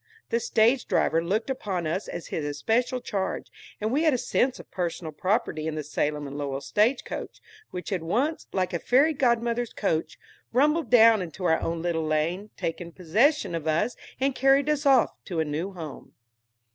The stagedriver looked upon us as his especial charge, and we had a sense of personal property in the Salem and Lowell stagecoach, which had once, like a fairy godmother's coach, rumbled down into our own little lane, taken possession of us, and carried us off to a new home.